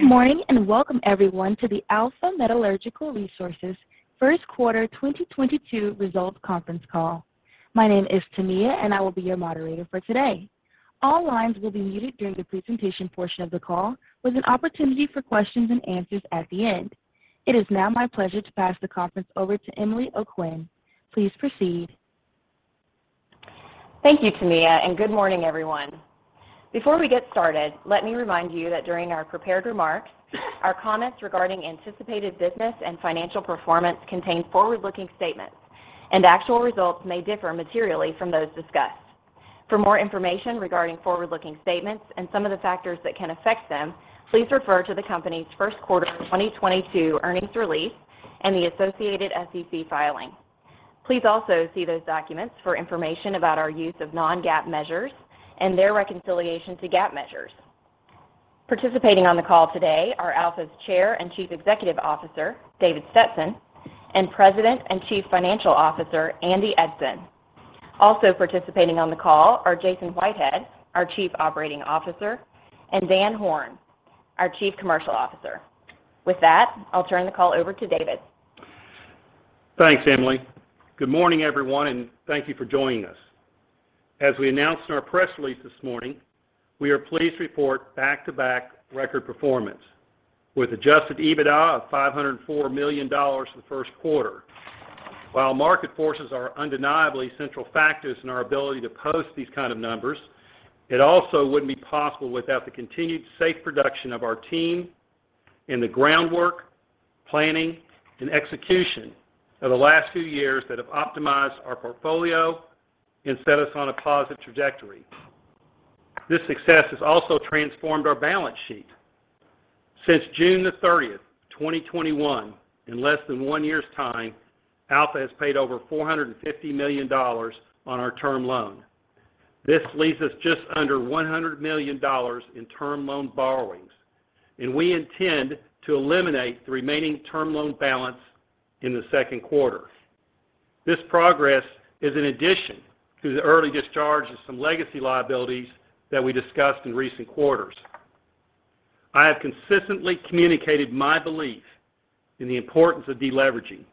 Good morning, and welcome everyone to the Alpha Metallurgical Resources first quarter 2022 results conference call. My name is Tamia, and I will be your moderator for today. All lines will be muted during the presentation portion of the call with an opportunity for questions and answers at the end. It is now my pleasure to pass the conference over to Emily O'Quinn. Please proceed. Thank you, Tamia, and good morning, everyone. Before we get started, let me remind you that during our prepared remarks our comments regarding anticipated business and financial performance contain forward-looking statements, and actual results may differ materially from those discussed. For more information regarding forward-looking statements and some of the factors that can affect them, please refer to the company's first quarter 2022 earnings release and the associated SEC filing. Please also see those documents for information about our use of non-GAAP measures and their reconciliation to GAAP measures. Participating on the call today are Alpha's Chair and Chief Executive Officer, David Stetson, and President and Chief Financial Officer, Andy Eidson. Also participating on the call are Jason Whitehead, our Chief Operating Officer, and Dan Horn, our Chief Commercial Officer. With that, I'll turn the call over to David. Thanks, Emily. Good morning, everyone, and thank you for joining us. As we announced in our press release this morning, we are pleased to report back-to-back record performance with adjusted EBITDA of $504 million for the first quarter. While market forces are undeniably central factors in our ability to post these kind of numbers, it also wouldn't be possible without the continued safe production of our team and the groundwork, planning, and execution of the last few years that have optimized our portfolio and set us on a positive trajectory. This success has also transformed our balance sheet. Since June 30, 2021, in less than one year's time, Alpha has paid over $450 million on our term loan. This leaves us just under $100 million in term loan borrowings, and we intend to eliminate the remaining term loan balance in the second quarter. This progress is in addition to the early discharge of some legacy liabilities that we discussed in recent quarters. I have consistently communicated my belief in the importance of deleveraging.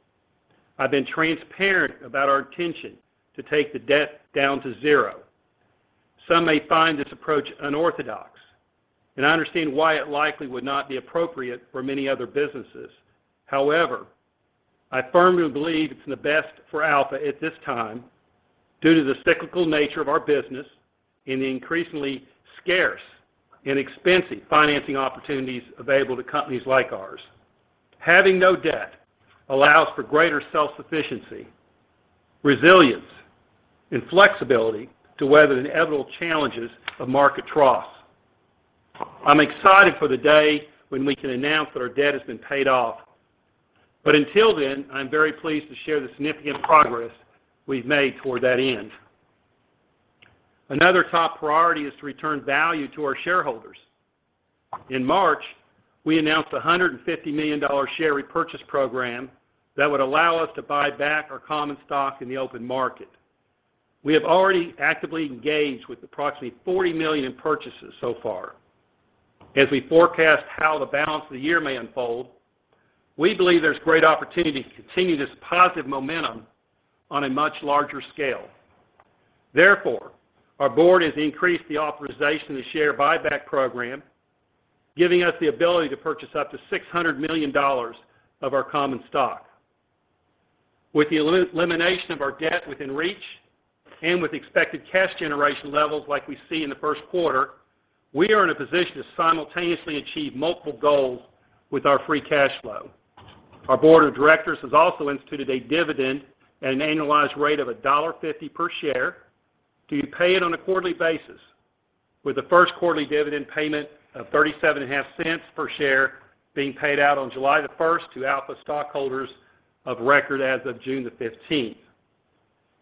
I've been transparent about our intention to take the debt down to zero. Some may find this approach unorthodox, and I understand why it likely would not be appropriate for many other businesses. However, I firmly believe it's in the best for Alpha at this time due to the cyclical nature of our business and the increasingly scarce and expensive financing opportunities available to companies like ours. Having no debt allows for greater self-sufficiency, resilience, and flexibility to weather the inevitable challenges of market troughs. I'm excited for the day when we can announce that our debt has been paid off. Until then, I am very pleased to share the significant progress we've made toward that end. Another top priority is to return value to our shareholders. In March, we announced a $150 million share repurchase program that would allow us to buy back our common stock in the open market. We have already actively engaged with approximately $40 million in purchases so far. As we forecast how the balance of the year may unfold, we believe there's great opportunity to continue this positive momentum on a much larger scale. Therefore, our board has increased the authorization of the share buyback program, giving us the ability to purchase up to $600 million of our common stock. With the elimination of our debt within reach and with expected cash generation levels like we see in the first quarter, we are in a position to simultaneously achieve multiple goals with our free cash flow. Our board of directors has also instituted a dividend at an annualized rate of $1.50 per share to be paid on a quarterly basis, with the first quarterly dividend payment of $0.375 per share being paid out on July the first to Alpha stockholders of record as of June 15.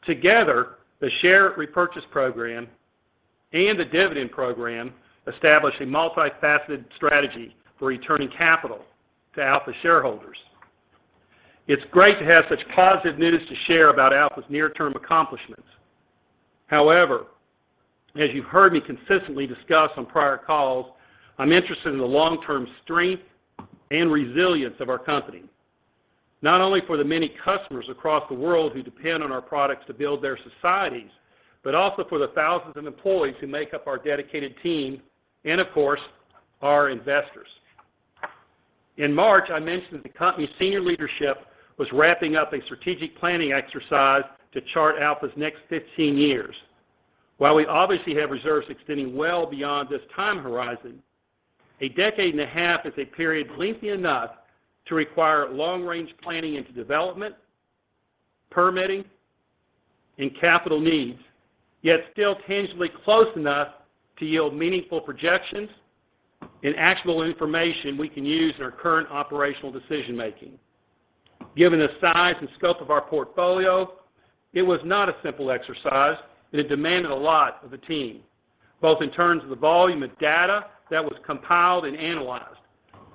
Together, the share repurchase program and the dividend program establish a multifaceted strategy for returning capital to Alpha shareholders. It's great to have such positive news to share about Alpha's near-term accomplishments. However, as you've heard me consistently discuss on prior calls, I'm interested in the long-term strength and resilience of our company, not only for the many customers across the world who depend on our products to build their societies, but also for the thousands of employees who make up our dedicated team and of course, our investors. In March, I mentioned that the company's senior leadership was wrapping up a strategic planning exercise to chart Alpha's next 15 years. While we obviously have reserves extending well beyond this time horizon, a decade and a half is a period lengthy enough to require long-range planning into development, permitting, and capital needs, yet still tangibly close enough to yield meaningful projections and actionable information we can use in our current operational decision-making. Given the size and scope of our portfolio, it was not a simple exercise, and it demanded a lot of the team, both in terms of the volume of data that was compiled and analyzed,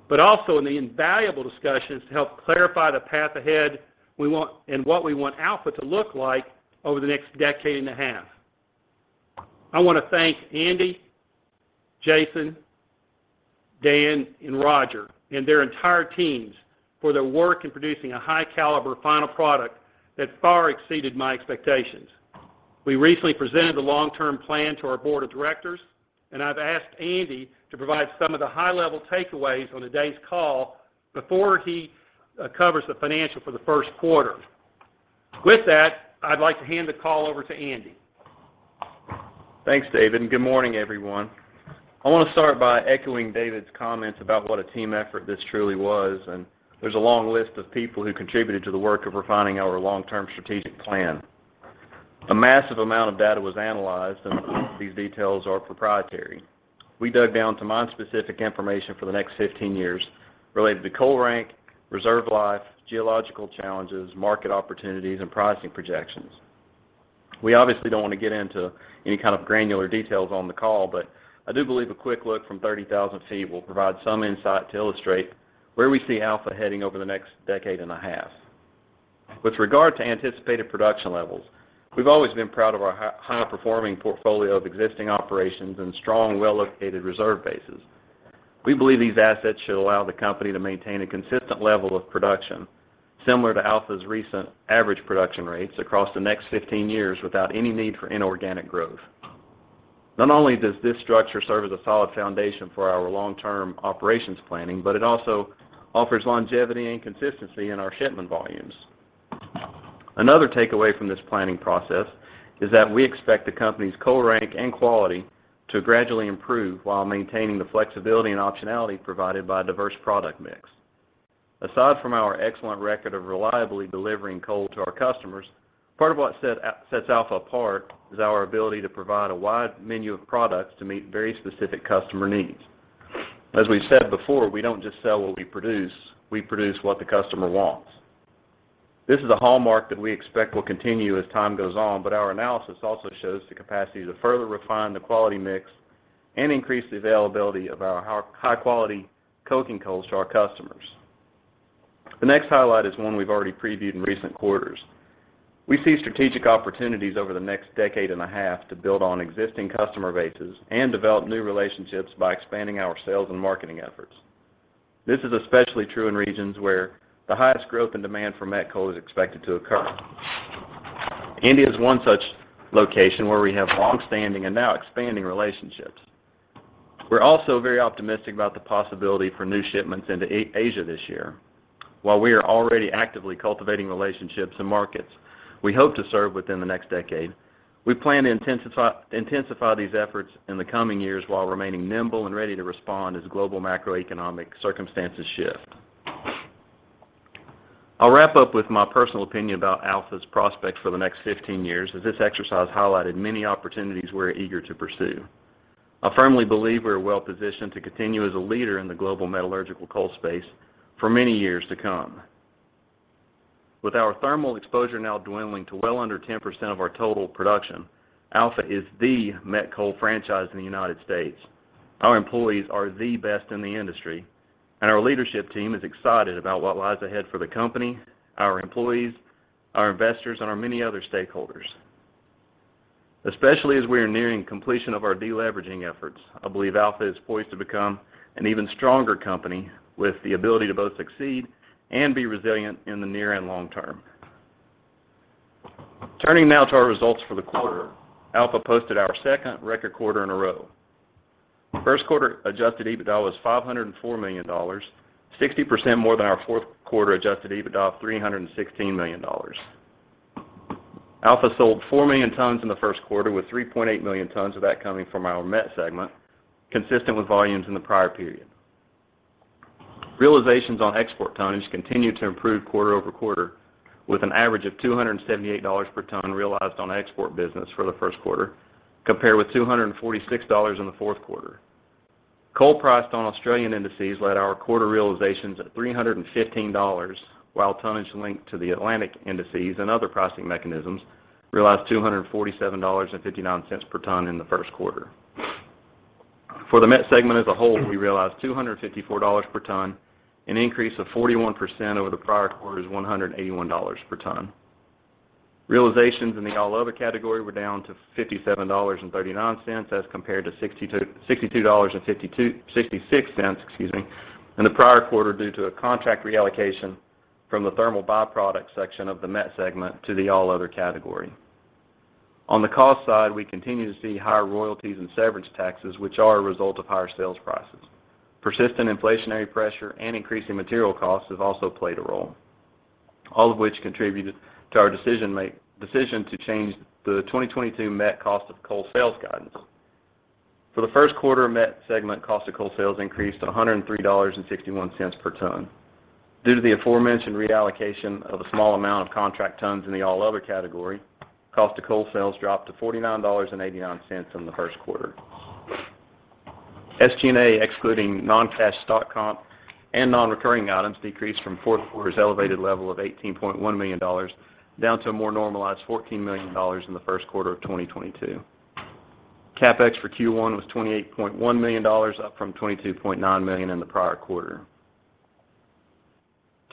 but also in the invaluable discussions to help clarify the path ahead we want and what we want Alpha to look like over the next decade and a half. I want to thank Andy, Jason, Dan, and Roger, and their entire teams for their work in producing a high-caliber final product that far exceeded my expectations. We recently presented the long-term plan to our board of directors, and I've asked Andy to provide some of the high-level takeaways on today's call before he covers the financial for the first quarter. With that, I'd like to hand the call over to Andy. Thanks, David, and good morning, everyone. I want to start by echoing David's comments about what a team effort this truly was, and there's a long list of people who contributed to the work of refining our long-term strategic plan. A massive amount of data was analyzed, and these details are proprietary. We dug down to mine specific information for the next 15 years related to coal rank, reserve life, geological challenges, market opportunities, and pricing projections. We obviously don't want to get into any kind of granular details on the call, but I do believe a quick look from 30,000 feet will provide some insight to illustrate where we see Alpha heading over the next decade and a half. With regard to anticipated production levels, we've always been proud of our high-performing portfolio of existing operations and strong, well-located reserve bases. We believe these assets should allow the company to maintain a consistent level of production similar to Alpha's recent average production rates across the next 15 years without any need for inorganic growth. Not only does this structure serve as a solid foundation for our long-term operations planning, but it also offers longevity and consistency in our shipment volumes. Another takeaway from this planning process is that we expect the company's coal rank and quality to gradually improve while maintaining the flexibility and optionality provided by a diverse product mix. Aside from our excellent record of reliably delivering coal to our customers, part of what sets Alpha apart is our ability to provide a wide menu of products to meet very specific customer needs. As we said before, we don't just sell what we produce, we produce what the customer wants. This is a hallmark that we expect will continue as time goes on, but our analysis also shows the capacity to further refine the quality mix and increase the availability of our high-quality coking coal to our customers. The next highlight is one we've already previewed in recent quarters. We see strategic opportunities over the next decade and a half to build on existing customer bases and develop new relationships by expanding our sales and marketing efforts. This is especially true in regions where the highest growth and demand for met coal is expected to occur. India is one such location where we have long-standing and now expanding relationships. We're also very optimistic about the possibility for new shipments into East Asia this year. While we are already actively cultivating relationships and markets we hope to serve within the next decade, we plan to intensify these efforts in the coming years while remaining nimble and ready to respond as global macroeconomic circumstances shift. I'll wrap up with my personal opinion about Alpha's prospects for the next 15 years as this exercise highlighted many opportunities we're eager to pursue. I firmly believe we are well-positioned to continue as a leader in the global metallurgical coal space for many years to come. With our thermal exposure now dwindling to well under 10% of our total production, Alpha is the met coal franchise in the United States. Our employees are the best in the industry, and our leadership team is excited about what lies ahead for the company, our employees, our investors, and our many other stakeholders. Especially as we are nearing completion of our deleveraging efforts, I believe Alpha is poised to become an even stronger company with the ability to both succeed and be resilient in the near and long term. Turning now to our results for the quarter, Alpha posted our second record quarter in a row. First quarter Adjusted EBITDA was $504 million, 60% more than our fourth quarter Adjusted EBITDA of $316 million. Alpha sold 4 million tons in the first quarter, with 3.8 million tons of that coming from our met segment, consistent with volumes in the prior period. Realizations on export tonnage continued to improve quarter-over-quarter, with an average of $278 per ton realized on export business for the first quarter, compared with $246 in the fourth quarter. Coal priced on Australian indices led our quarter realizations at $315, while tonnage linked to the Atlantic indices and other pricing mechanisms realized $247.59 per ton in the first quarter. For the met segment as a whole, we realized $254 per ton, an increase of 41% over the prior quarter's $181 per ton. Realizations in the all other category were down to $57.39 as compared to $62.66, excuse me, in the prior quarter due to a contract reallocation from the thermal byproduct section of the met segment to the all other category. On the cost side, we continue to see higher royalties and severance taxes, which are a result of higher sales prices. Persistent inflationary pressure and increasing material costs have also played a role, all of which contributed to our decision to change the 2022 met cost of coal sales guidance. For the first quarter met segment, cost of coal sales increased to $103.61 per ton. Due to the aforementioned reallocation of a small amount of contract tons in the all other category, cost of coal sales dropped to $49.89 in the first quarter. SG&A excluding non-cash stock comp and non-recurring items decreased from fourth quarter's elevated level of $18.1 million down to a more normalized $14 million in the first quarter of 2022. CapEx for Q1 was $28.1 million, up from $22.9 million in the prior quarter.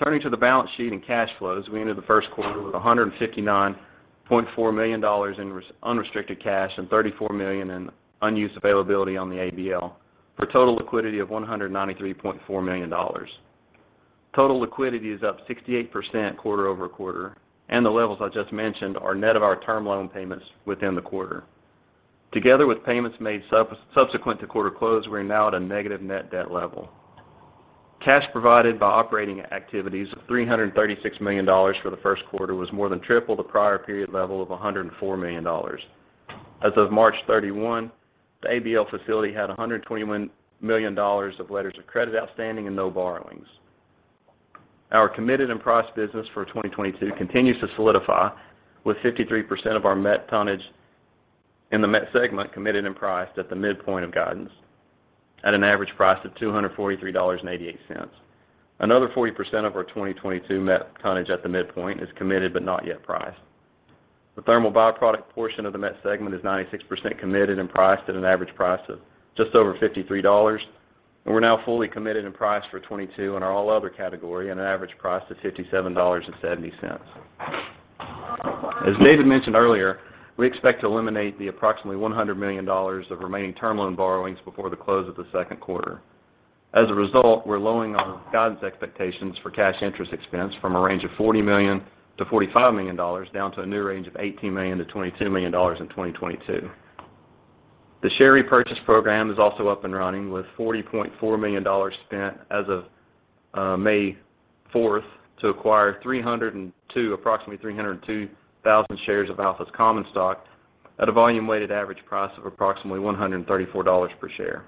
Turning to the balance sheet and cash flows, we entered the first quarter with $159.4 million in unrestricted cash and $34 million in unused availability on the ABL, for total liquidity of $193.4 million. Total liquidity is up 68% quarter-over-quarter, and the levels I just mentioned are net of our term loan payments within the quarter. Together with payments made subsequent to quarter close, we are now at a negative net debt level. Cash provided by operating activities of $336 million for the first quarter was more than triple the prior period level of $104 million. As of March 31, the ABL facility had $121 million of letters of credit outstanding and no borrowings. Our committed and priced business for 2022 continues to solidify, with 53% of our met tonnage in the met segment committed and priced at the midpoint of guidance at an average price of $243.88. Another 40% of our 2022 met tonnage at the midpoint is committed but not yet priced. The thermal by-product portion of the met segment is 96% committed and priced at an average price of just over $53. We're now fully committed and priced for 2022 in our all other category at an average price of $57.70. As David mentioned earlier, we expect to eliminate the approximately $100 million of remaining term loan borrowings before the close of the second quarter. As a result, we're lowering our guidance expectations for cash interest expense from a range of $40 million-$45 million, down to a new range of $18 million-$22 million in 2022. The share repurchase program is also up and running, with $40.4 million spent as of May fourth to acquire approximately 302,000 shares of Alpha's common stock at a volume-weighted average price of approximately $134 per share.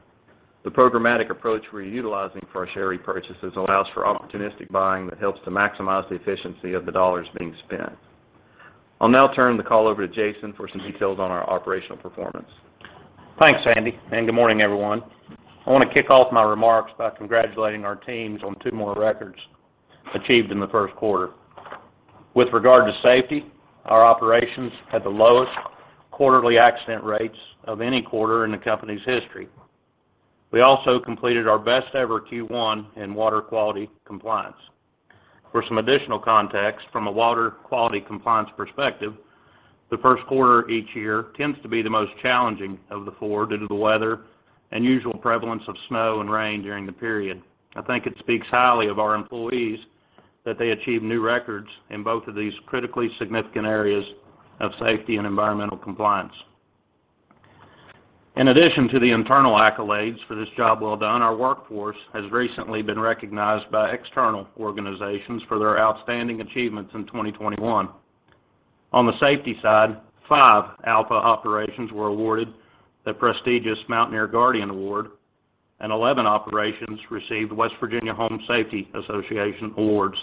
The programmatic approach we're utilizing for our share repurchases allows for opportunistic buying that helps to maximize the efficiency of the dollars being spent. I'll now turn the call over to Jason for some details on our operational performance. Thanks, Andy, and good morning, everyone. I want to kick off my remarks by congratulating our teams on two more records achieved in the first quarter. With regard to safety, our operations had the lowest quarterly accident rates of any quarter in the company's history. We also completed our best ever Q1 in water quality compliance. For some additional context from a water quality compliance perspective, the first quarter each year tends to be the most challenging of the four due to the weather and usual prevalence of snow and rain during the period. I think it speaks highly of our employees that they achieve new records in both of these critically significant areas of safety and environmental compliance. In addition to the internal accolades for this job well done, our workforce has recently been recognized by external organizations for their outstanding achievements in 2021. On the safety side, five Alpha operations were awarded the prestigious Mountaineer Guardian Award, and 11 operations received Joseph A. Holmes Safety Association awards.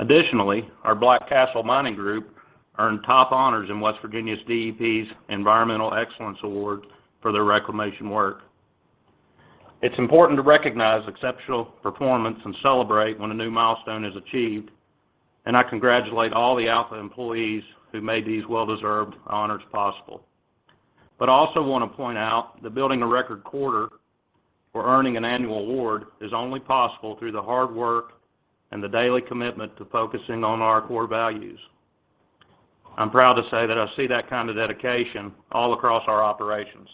Additionally, our Black Castle Mining Group earned top honors in West Virginia's DEP's Environmental Award of Excellence for their reclamation work. It's important to recognize exceptional performance and celebrate when a new milestone is achieved, and I congratulate all the Alpha employees who made these well-deserved honors possible. I also want to point out that building a record quarter or earning an annual award is only possible through the hard work and the daily commitment to focusing on our core values. I'm proud to say that I see that kind of dedication all across our operations.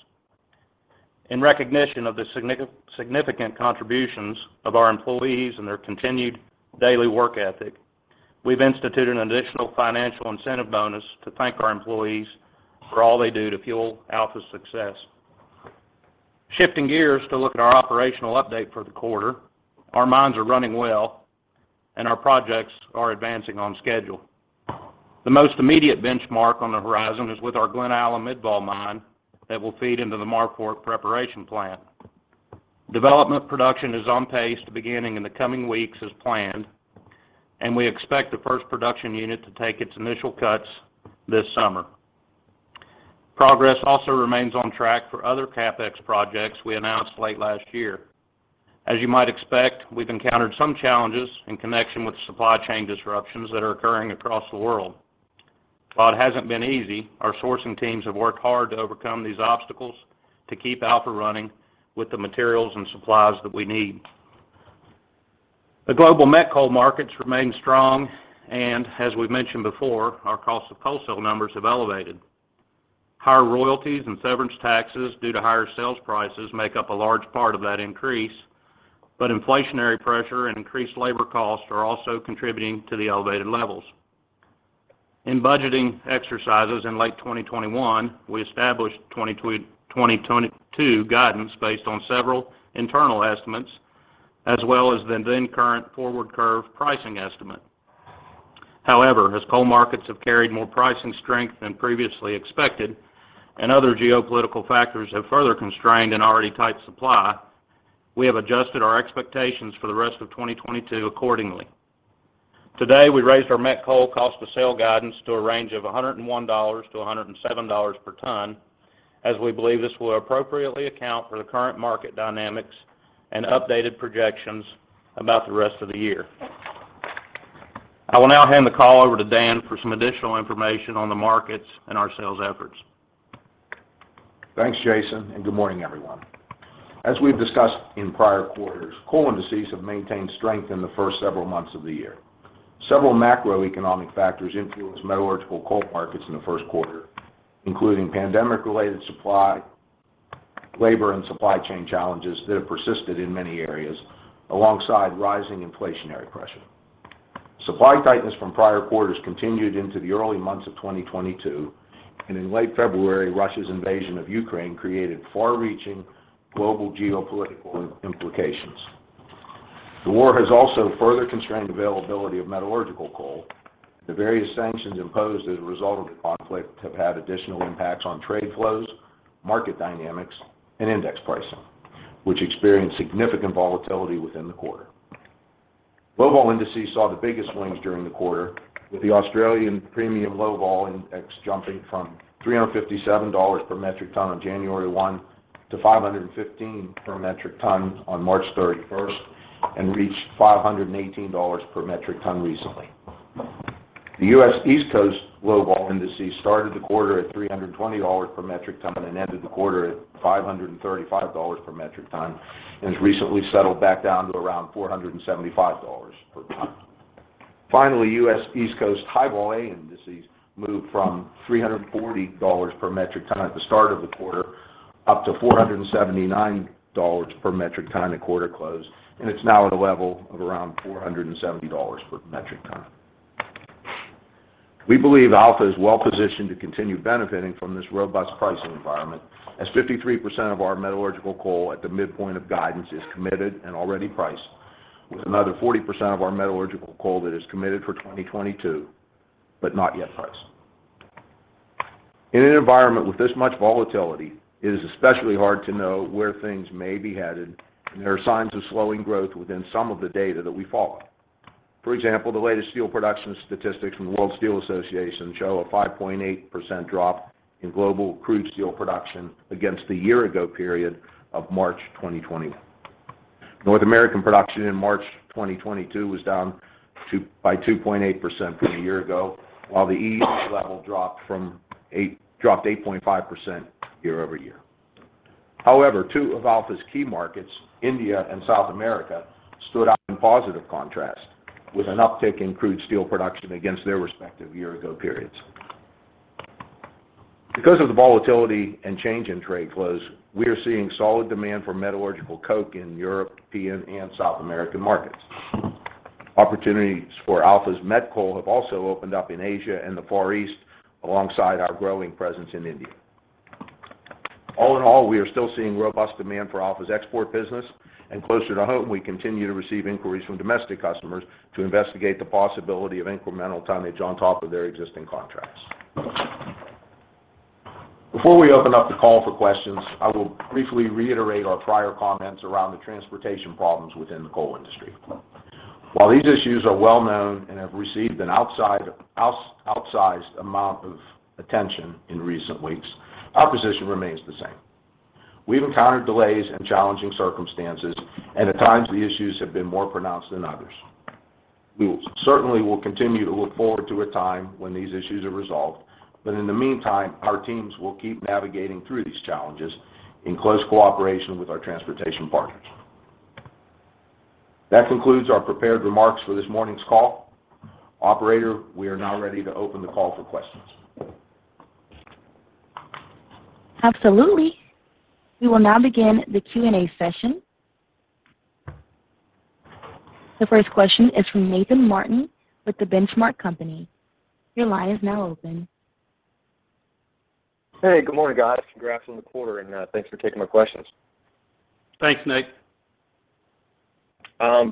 In recognition of the significant contributions of our employees and their continued daily work ethic, we've instituted an additional financial incentive bonus to thank our employees for all they do to fuel Alpha's success. Shifting gears to look at our operational update for the quarter, our mines are running well and our projects are advancing on schedule. The most immediate benchmark on the horizon is with our Glen Alum-Midvale mine that will feed into the Marfork preparation plant. Development production is on pace to begin in the coming weeks as planned, and we expect the first production unit to take its initial cuts this summer. Progress also remains on track for other CapEx projects we announced late last year. As you might expect, we've encountered some challenges in connection with supply chain disruptions that are occurring across the world. While it hasn't been easy, our sourcing teams have worked hard to overcome these obstacles to keep Alpha running with the materials and supplies that we need. The global met coal markets remain strong, and as we've mentioned before, our cost of coal sales numbers have elevated. Higher royalties and severance taxes due to higher sales prices make up a large part of that increase, but inflationary pressure and increased labor costs are also contributing to the elevated levels. In budgeting exercises in late 2021, we established 2022 guidance based on several internal estimates as well as the then current forward curve pricing estimate. However, as coal markets have carried more pricing strength than previously expected and other geopolitical factors have further constrained an already tight supply, we have adjusted our expectations for the rest of 2022 accordingly. Today, we raised our met coal cost of sales guidance to a range of $101-$107 per ton, as we believe this will appropriately account for the current market dynamics and updated projections about the rest of the year. I will now hand the call over to Dan for some additional information on the markets and our sales efforts. Thanks, Jason, and good morning everyone. As we've discussed in prior quarters, coal indices have maintained strength in the first several months of the year. Several macroeconomic factors influenced metallurgical coal markets in the first quarter, including pandemic-related supply, labor and supply chain challenges that have persisted in many areas alongside rising inflationary pressure. Supply tightness from prior quarters continued into the early months of 2022, and in late February, Russia's invasion of Ukraine created far-reaching global geopolitical implications. The war has also further constrained availability of metallurgical coal. The various sanctions imposed as a result of the conflict have had additional impacts on trade flows, market dynamics and index pricing, which experienced significant volatility within the quarter. Low vol indices saw the biggest swings during the quarter, with the Australian premium low vol index jumping from $357 per metric ton on January 1 to $515 per metric ton on March 31st, and reached $518 per metric ton recently. The U.S. East Coast low vol indices started the quarter at $320 per metric ton and ended the quarter at $535 per metric ton. It's recently settled back down to around $475 per ton. Finally, U.S. East Coast high-vol A indices moved from $340 per metric ton at the start of the quarter, up to $479 per metric ton at quarter close, and it's now at a level of around $470 per metric ton. We believe Alpha is well positioned to continue benefiting from this robust pricing environment as 53% of our metallurgical coal at the midpoint of guidance is committed and already priced, with another 40% of our metallurgical coal that is committed for 2022, but not yet priced. In an environment with this much volatility, it is especially hard to know where things may be headed, and there are signs of slowing growth within some of the data that we follow. For example, the latest steel production statistics from the World Steel Association show a 5.8% drop in global crude steel production against the year ago period of March 2020. North American production in March 2022 was down by 2.8% from a year ago, while the E.U. level dropped 8.5% year-over-year. However, two of Alpha's key markets, India and South America, stood out in positive contrast with an uptick in crude steel production against their respective year ago periods. Because of the volatility and change in trade flows, we are seeing solid demand for metallurgical coke in European and South American markets. Opportunities for Alpha's met coal have also opened up in Asia and the Far East alongside our growing presence in India. All in all, we are still seeing robust demand for Alpha's export business, and closer to home, we continue to receive inquiries from domestic customers to investigate the possibility of incremental tonnage on top of their existing contracts. Before we open up the call for questions, I will briefly reiterate our prior comments around the transportation problems within the coal industry. While these issues are well known and have received an outsized amount of attention in recent weeks, our position remains the same. We've encountered delays and challenging circumstances, and at times, the issues have been more pronounced than others. We certainly will continue to look forward to a time when these issues are resolved. In the meantime, our teams will keep navigating through these challenges in close cooperation with our transportation partners. That concludes our prepared remarks for this morning's call. Operator, we are now ready to open the call for questions. Absolutely. We will now begin the Q&A session. The first question is from Nathan Martin with The Benchmark Company. Your line is now open. Hey, good morning, guys. Congrats on the quarter and thanks for taking my questions. Thanks, Nate.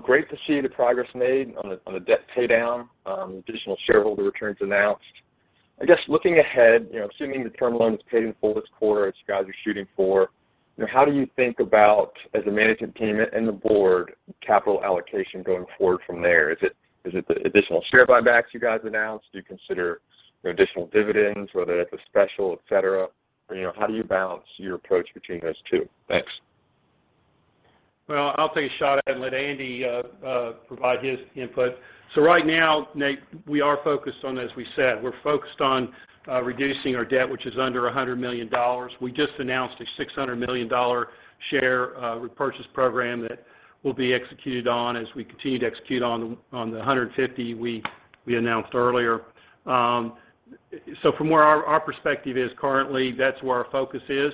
Great to see the progress made on the debt pay down, additional shareholder returns announced. I guess looking ahead, you know, assuming the term loan is paid in full this quarter as you guys are shooting for, you know, how do you think about as a management team and the board capital allocation going forward from there? Is it the additional share buybacks you guys announced? Do you consider, you know, additional dividends, whether it's a special, et cetera? You know, how do you balance your approach between those two? Thanks. Well, I'll take a shot at it and let Andy provide his input. Right now, Nate, we are focused on, as we said, reducing our debt, which is under $100 million. We just announced a $600 million share repurchase program that will be executed as we continue to execute on the 150 we announced earlier. From where our perspective is currently, that's where our focus is.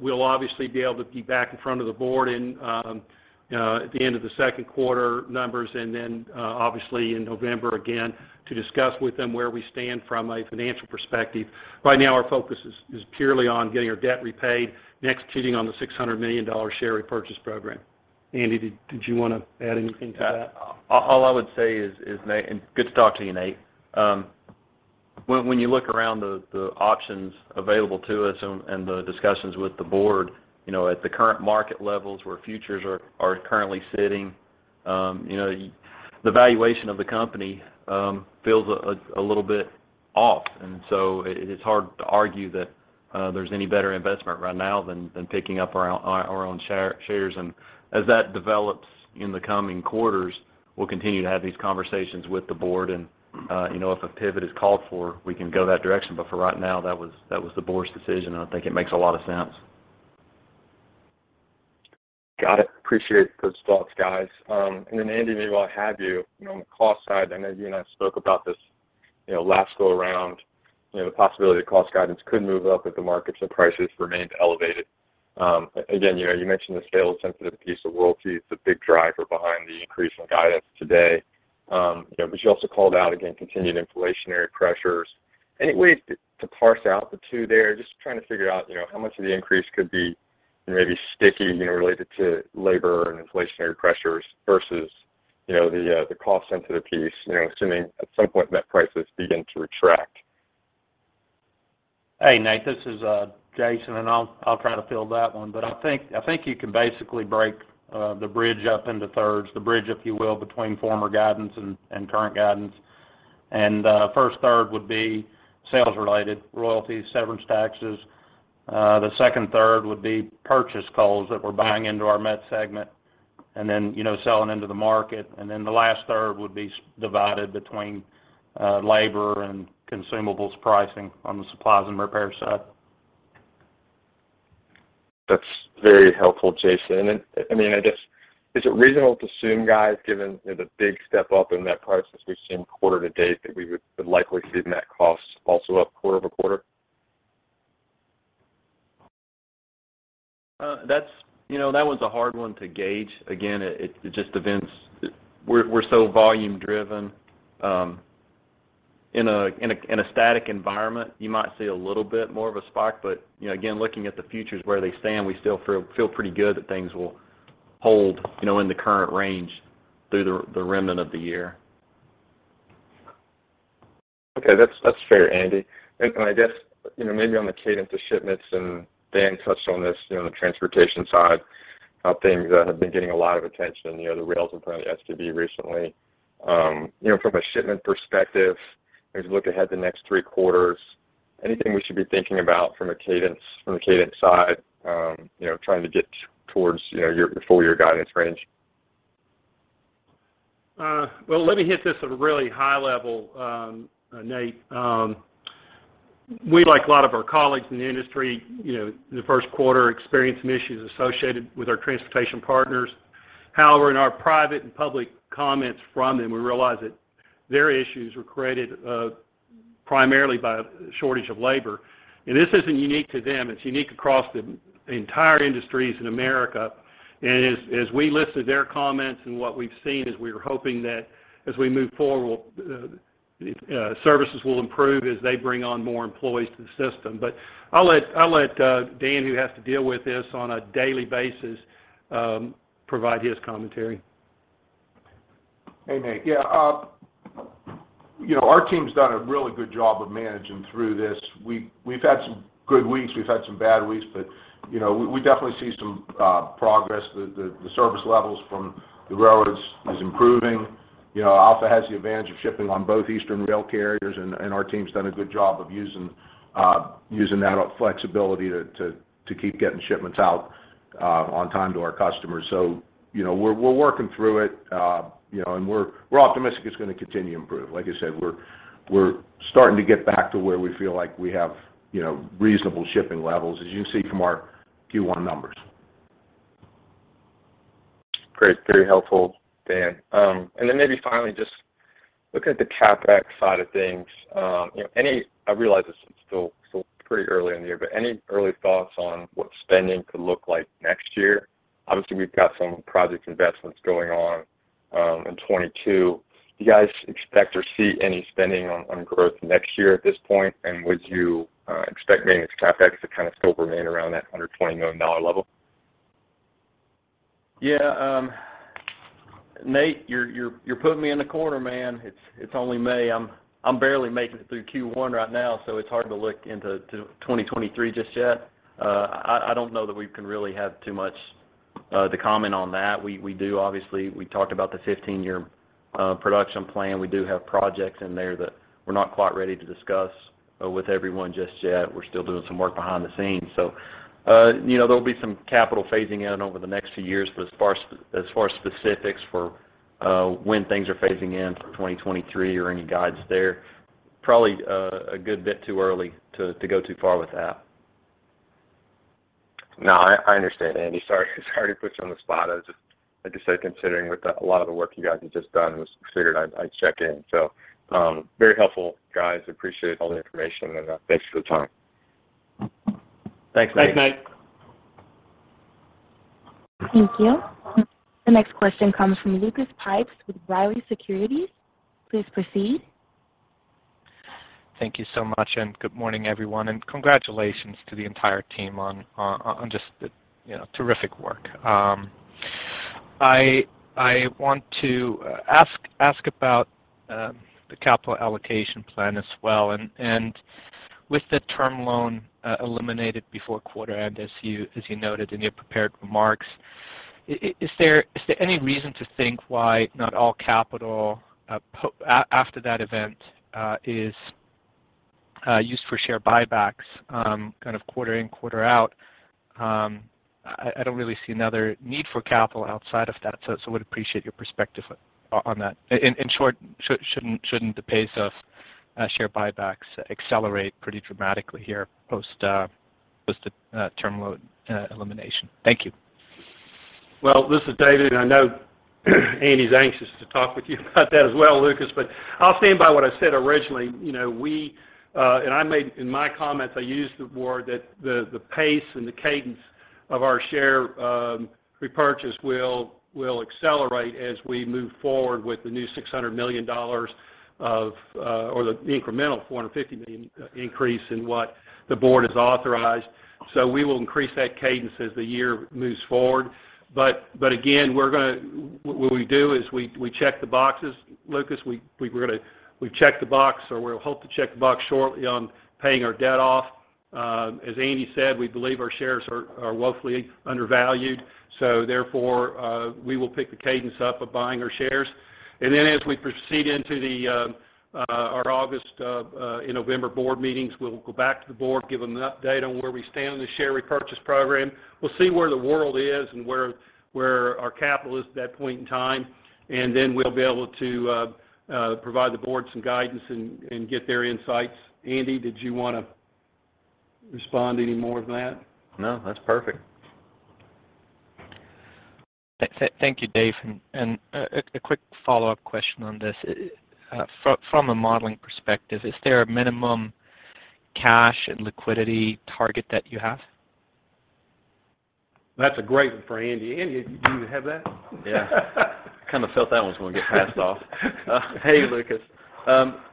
We'll obviously be able to be back in front of the board and at the end of the second quarter numbers and then obviously in November again to discuss with them where we stand from a financial perspective. Right now, our focus is purely on getting our debt repaid and executing on the $600 million share repurchase program. Andy, did you wanna add anything to that? All I would say is Nate. Good to talk to you, Nate. When you look around the options available to us and the discussions with the board, you know, at the current market levels where futures are currently sitting, you know, the valuation of the company feels a little bit off. It’s hard to argue that there’s any better investment right now than picking up our own shares. As that develops in the coming quarters, we'll continue to have these conversations with the board, and you know, if a pivot is called for, we can go that direction. For right now, that was the board's decision, and I think it makes a lot of sense. Got it. Appreciate those thoughts, guys. Andy, maybe while I have you know, on the cost side, I know you and I spoke about this, you know, last go around, you know, the possibility the cost guidance could move up if the markets or prices remained elevated. Again, you know, you mentioned the scale-sensitive piece of royalties, the big driver behind the increase in guidance today. You know, but you also called out, again, continued inflationary pressures. Any way to parse out the two there? Just trying to figure out, you know, how much of the increase could be, you know, maybe sticky, you know, related to labor and inflationary pressures versus, you know, the cost-sensitive piece, you know, assuming at some point met prices begin to retract. Hey, Nate, this is Jason, and I'll try to field that one. I think you can basically break the bridge up into thirds, the bridge, if you will, between former guidance and current guidance. First third would be sales related, royalties, severance taxes. The second third would be purchase coals that we're buying into our met segment and then, you know, selling into the market. The last third would be divided between labor and consumables pricing on the supplies and repair side. That's very helpful, Jason. Then, I mean, I guess, is it reasonable to assume, guys, given, you know, the big step up in net prices we've seen quarter-to-date that we would likely see net costs also up quarter-over-quarter? That's, you know, that one's a hard one to gauge. Again, it just depends. We're so volume driven. In a static environment, you might see a little bit more of a spike, but, you know, again, looking at the futures where they stand, we still feel pretty good that things will hold, you know, in the current range through the remainder of the year. Okay. That's fair, Andy. I guess, you know, maybe on the cadence of shipments, and Dan touched on this, you know, on the transportation side, how things have been getting a lot of attention, you know, the rails and part of the STB recently. You know, from a shipment perspective, as you look ahead the next three quarters, anything we should be thinking about from a cadence side, you know, trying to get towards, you know, your full year guidance range? Well, let me hit this at a really high level, Nate. We, like a lot of our colleagues in the industry, you know, in the first quarter experienced some issues associated with our transportation partners. However, in our private and public comments from them, we realized that their issues were created primarily by a shortage of labor. This isn't unique to them, it's unique across the entire industries in America. As we listened to their comments and what we've seen, we're hoping that as we move forward services will improve as they bring on more employees to the system. I'll let Dan, who has to deal with this on a daily basis, provide his commentary. Hey, Nate. Yeah. You know, our team's done a really good job of managing through this. We've had some good weeks, we've had some bad weeks, but you know, we definitely see some progress. The service levels from the railroads is improving. You know, Alpha has the advantage of shipping on both eastern rail carriers and our team's done a good job of using that flexibility to keep getting shipments out on time to our customers. You know, we're working through it, you know, and we're optimistic it's gonna continue to improve. Like I said, we're starting to get back to where we feel like we have you know, reasonable shipping levels as you can see from our Q1 numbers. Great. Very helpful, Dan. Then maybe finally just looking at the CapEx side of things, you know, I realize it's still pretty early in the year, but any early thoughts on what spending could look like next year? Obviously, we've got some project investments going on in 2022. Do you guys expect or see any spending on growth next year at this point? Would you expect maybe this CapEx to kind of still remain around that $120 million level? Yeah. Nate, you're putting me in a corner, man. It's only May. I'm barely making it through Q1 right now, so it's hard to look into 2023 just yet. I don't know that we can really have too much to comment on that. We do obviously. We talked about the 15-year production plan. We do have projects in there that we're not quite ready to discuss with everyone just yet. We're still doing some work behind the scenes. You know, there'll be some capital phasing in over the next few years, but as far as specifics for when things are phasing in for 2023 or any guides there, probably a good bit too early to go too far with that. No, I understand, Andy. Sorry to put you on the spot. I was just like I said, considering a lot of the work you guys have just done. I just figured I'd check in. Very helpful, guys. Appreciate all the information, and thanks for the time. Thanks, Nate. Thanks, Nate. Thank you. The next question comes from Lucas Pipes with B. Riley Securities. Please proceed. Thank you so much, and good morning, everyone, and congratulations to the entire team on just the you know terrific work. I want to ask about the capital allocation plan as well. With the term loan eliminated before quarter end as you noted in your prepared remarks, is there any reason to think why not all capital after that event is used for share buybacks kind of quarter in, quarter out. I don't really see another need for capital outside of that, so would appreciate your perspective on that. In short, shouldn't the pace of share buybacks accelerate pretty dramatically here post the term loan elimination? Thank you. This is David. I know Andy's anxious to talk with you about that as well, Lucas, but I'll stand by what I said originally. You know, in my comments, I used the word that the pace and the cadence of our share repurchase will accelerate as we move forward with the new $600 million or the incremental $450 million increase in what the board has authorized. We will increase that cadence as the year moves forward. We check the boxes, Lucas. We've checked the box, or we'll hope to check the box shortly on paying our debt off. As Andy said, we believe our shares are woefully undervalued, so therefore, we will pick the cadence up of buying our shares. As we proceed into our August, November board meetings, we'll go back to the board, give them an update on where we stand on the share repurchase program. We'll see where the world is and where our capital is at that point in time, and then we'll be able to provide the board some guidance and get their insights. Andy, did you wanna respond to any more of that? No, that's perfect. Thank you, Dave. A quick follow-up question on this. From a modeling perspective, is there a minimum cash and liquidity target that you have? That's a great one for Andy. Andy, do you have that? Yeah. Kind of felt that one was gonna get passed off. Hey, Lucas.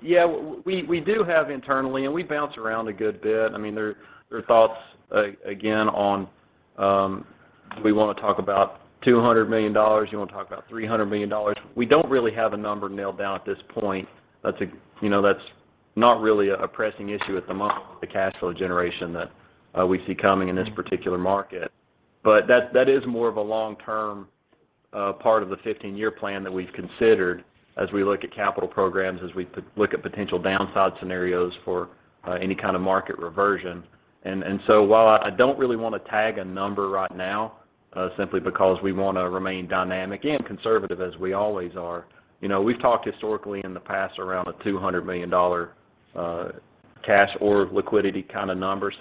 Yeah, we do have internally, and we bounce around a good bit. I mean, there are thoughts again on, do we wanna talk about $200 million, do you wanna talk about $300 million? We don't really have a number nailed down at this point. That's a, you know, that's not really a pressing issue at the moment with the cash flow generation that we see coming in this particular market. That is more of a long-term part of the 15-year plan that we've considered as we look at capital programs, as we look at potential downside scenarios for any kind of market reversion. While I don't really wanna tag a number right now, simply because we wanna remain dynamic and conservative as we always are. You know, we've talked historically in the past around a $200 million cash or liquidity kind of number.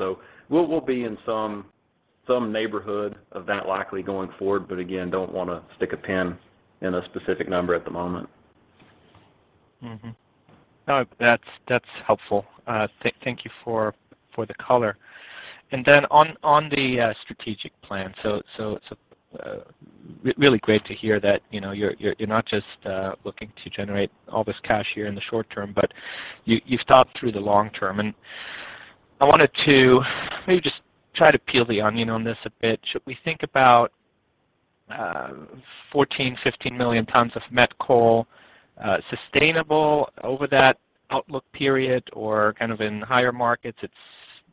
We'll be in some neighborhood of that likely going forward, but again, don't wanna stick a pin in a specific number at the moment. Mm-hmm. No, that's helpful. Thank you for the color. Then on the strategic plan, really great to hear that, you know, you're not just looking to generate all this cash here in the short term, but you've thought through the long term. I wanted to maybe just try to peel the onion on this a bit. Should we think about 14 million-15 million tons of met coal sustainable over that outlook period or kind of in higher markets, it's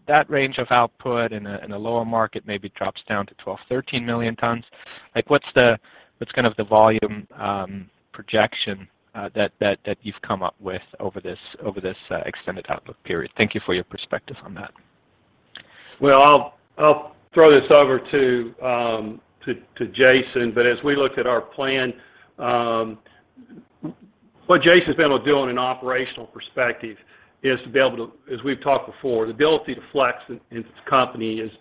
that range of output, in a lower market maybe drops down to 12 million-13 million tons? Like, what's kind of the volume projection that you've come up with over this extended outlook period? Thank you for your perspective on that. Well, I'll throw this over to Jason. As we look at our plan, what Jason's been able to do on an operational perspective is to be able to, as we've talked before, the ability to flex in this company is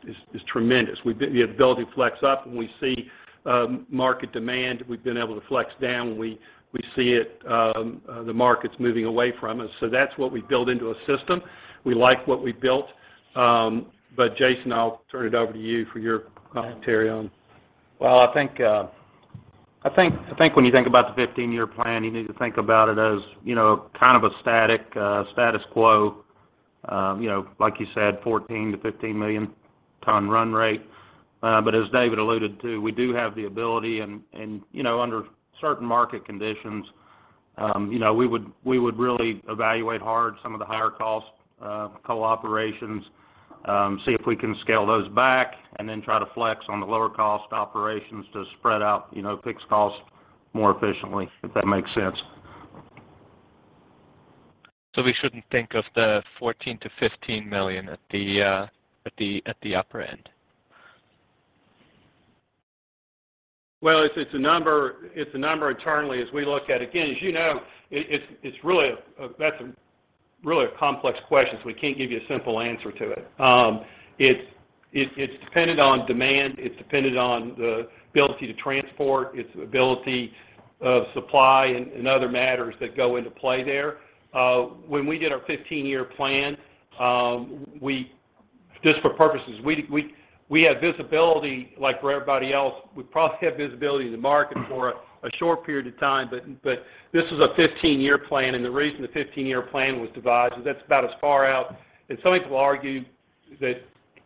tremendous. The ability to flex up when we see market demand. We've been able to flex down when we see it, the market's moving away from us. That's what we built into a system. We like what we built. But Jason, I'll turn it over to you for your commentary on. I think when you think about the 15-year plan, you need to think about it as, you know, kind of a static status quo, you know, like you said, 14 million-15 million ton run rate. As David alluded to, we do have the ability and, you know, under certain market conditions, you know, we would really evaluate hard some of the higher cost coal operations, see if we can scale those back and then try to flex on the lower cost operations to spread out, you know, fixed costs more efficiently, if that makes sense. We shouldn't think of the 14 million-15 million at the upper end? Well, it's a number internally as we look at. Again, as you know, it's really a complex question, so we can't give you a simple answer to it. It's dependent on demand. It's dependent on the ability to transport. It's ability of supply and other matters that go into play there. When we did our 15-year plan, just for purposes, we had visibility, like for everybody else, we probably have visibility in the market for a short period of time. But this was a 15-year plan, and the reason the 15-year plan was devised is that's about as far out. Some people argue that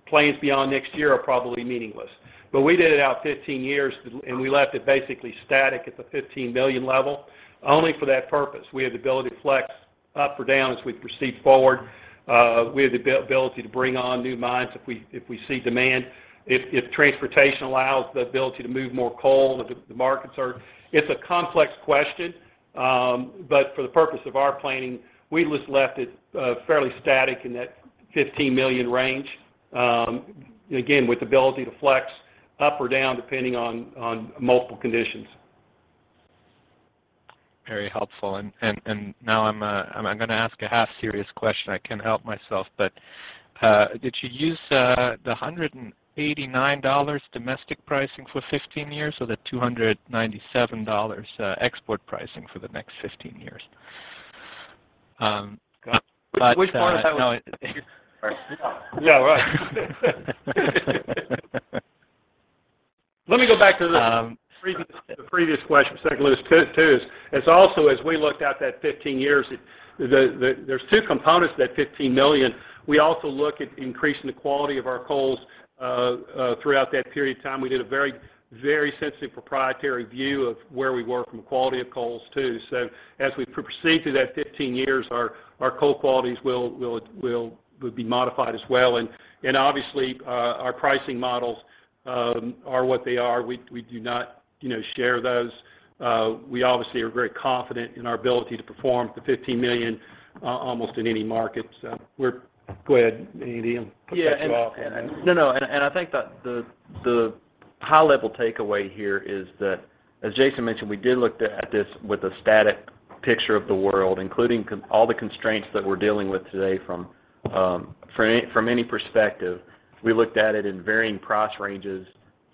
plans beyond next year are probably meaningless. We did it out 15 years, and we left it basically static at the 15 million level only for that purpose. We have the ability to flex up or down as we proceed forward. We have the ability to bring on new mines if we see demand, if transportation allows the ability to move more coal, the markets are. It's a complex question, but for the purpose of our planning, we just left it fairly static in that 15 million range, again, with the ability to flex up or down, depending on multiple conditions. Very helpful. Now I'm gonna ask a half-serious question. I can help myself. Did you use the $189 domestic pricing for 15 years or the $297 export pricing for the next 15 years? Which one is that? No. Yeah, right. Um. The previous question, second one is too. It's also as we looked out that 15 years. There's two components to that $15 million. We also look at increasing the quality of our coals throughout that period of time. We did a very sensitive proprietary view of where we were from a quality of coals, too. As we proceed through that 15 years, our coal qualities will be modified as well. Obviously, our pricing models are what they are. We do not, you know, share those. We obviously are very confident in our ability to perform the $15 million almost in any market. Go ahead, Andy, and kick us off. I think that the high-level takeaway here is that, as Jason mentioned, we did look at this with a static picture of the world, including all the constraints that we're dealing with today from any perspective. We looked at it in varying price ranges,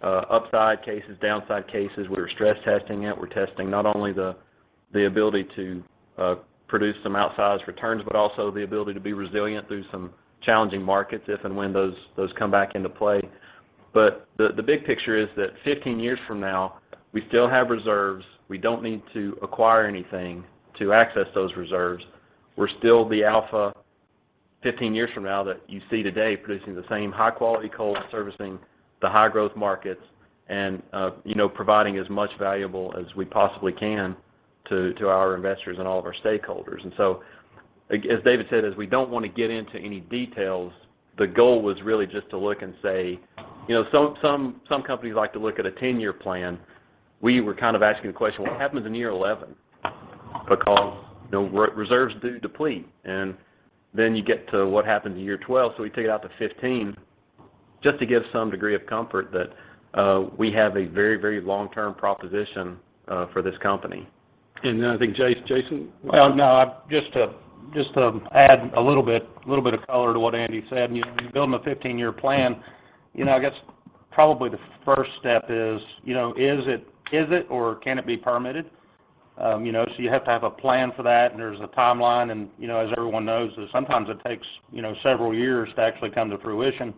upside cases, downside cases. We're stress testing it. We're testing not only the ability to produce some outsized returns, but also the ability to be resilient through some challenging markets if and when those come back into play. The big picture is that 15 years from now, we still have reserves. We don't need to acquire anything to access those reserves. We're still the Alpha 15 years from now that you see today producing the same high-quality coal, servicing the high-growth markets, and, you know, providing as much value as we possibly can to our investors and all of our stakeholders. As David said, we don't wanna get into any details. The goal was really just to look and say. You know, some companies like to look at a 10-year plan. We were kind of asking the question, "What happens in year 11?" Because, you know, reserves do deplete, and then you get to what happens in year 12. We take it out to 15 just to give some degree of comfort that we have a very, very long-term proposition for this company. I think Jason. Well, no, just to add a little bit of color to what Andy said. You know, when you're building a 15-year plan, you know, I guess probably the first step is, you know, is it or can it be permitted? You know, you have to have a plan for that, and there's a timeline. You know, as everyone knows that sometimes it takes, you know, several years to actually come to fruition.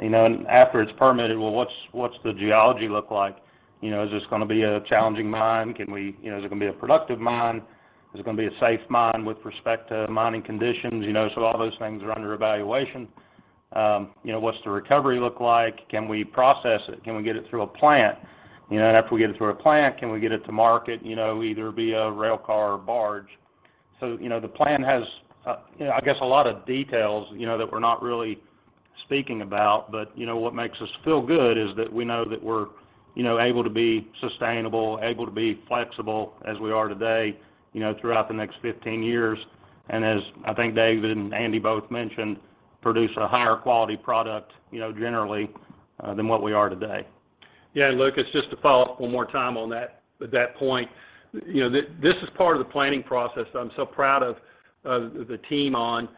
You know, after it's permitted, well, what's the geology look like? You know, is this gonna be a challenging mine? You know, is it gonna be a productive mine? Is it gonna be a safe mine with respect to mining conditions? You know, so all those things are under evaluation. You know, what's the recovery look like? Can we process it? Can we get it through a plant? You know, and after we get it through a plant, can we get it to market, you know, either via rail car or barge? You know, the plan has you know, I guess a lot of details, you know, that we're not really speaking about. You know, what makes us feel good is that we know that we're, you know, able to be sustainable, able to be flexible as we are today, you know, throughout the next 15 years. As I think David and Andy both mentioned, produce a higher quality product, you know, generally, than what we are today. Yeah. Lucas, just to follow up one more time on that point. You know, this is part of the planning process I'm so proud of the team on.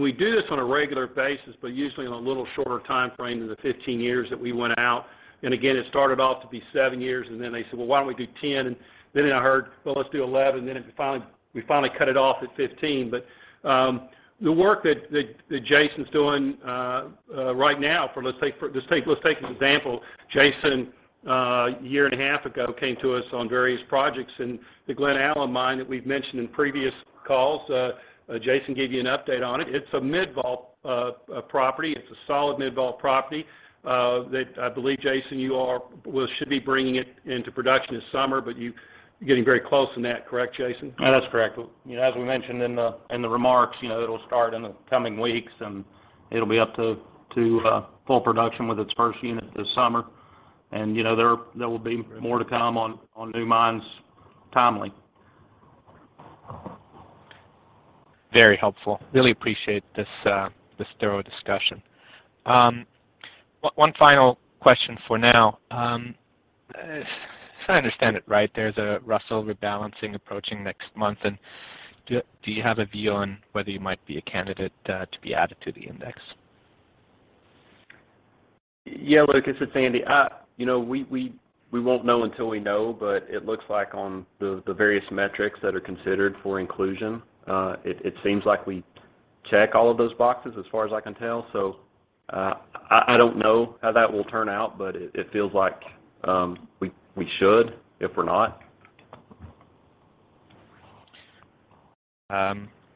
We do this on a regular basis, but usually on a little shorter timeframe than the 15 years that we went out. Again, it started off to be seven years, and then they said, "Well, why don't we do 10?" Then I heard, "Well, let's do 11." Then we finally cut it off at 15. But the work that Jason's doing right now for let's say. Let's take an example. Jason, a year and a half ago, came to us on various projects in the Glen Alum mine that we've mentioned in previous calls. Jason gave you an update on it. It's a mid-vol property. It's a solid mid-vol property that I believe, Jason, should be bringing it into production this summer. You, you're getting very close on that. Correct, Jason? That's correct. You know, as we mentioned in the remarks, you know, it'll start in the coming weeks, and it'll be up to full production with its first unit this summer. You know, there will be more to come on new mines timely. Very helpful. Really appreciate this thorough discussion. One final question for now. If I understand it right, there's a Russell Reconstitution approaching next month. Do you have a view on whether you might be a candidate to be added to the index? Yeah. Lucas, it's Andy. You know, we won't know until we know, but it looks like on the various metrics that are considered for inclusion, it seems like we check all of those boxes as far as I can tell. I don't know how that will turn out, but it feels like we should if we're not.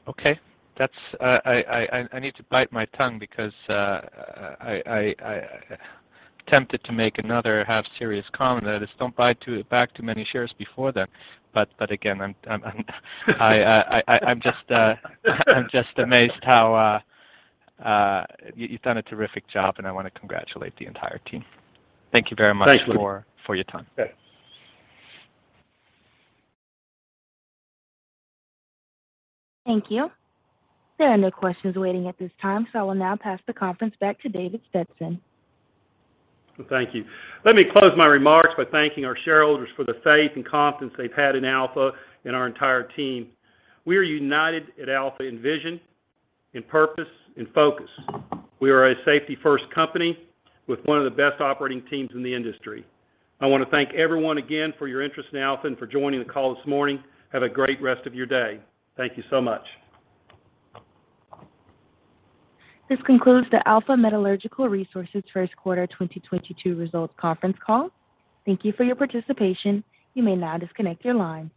Okay. That's. I need to bite my tongue because I tempted to make another half-serious comment, that is, don't buy back too many shares before then. Again, I'm just amazed how you've done a terrific job, and I wanna congratulate the entire team. Thank you very much. Thanks, Lucas. For your time. Okay. Thank you. There are no questions waiting at this time, so I will now pass the conference back to David Stetson. Thank you. Let me close my remarks by thanking our shareholders for the faith and confidence they've had in Alpha and our entire team. We are united at Alpha in vision, in purpose, in focus. We are a safety-first company with one of the best operating teams in the industry. I want to thank everyone again for your interest in Alpha and for joining the call this morning. Have a great rest of your day. Thank you so much. This concludes the Alpha Metallurgical Resources first quarter 2022 results conference call. Thank you for your participation. You may now disconnect your line.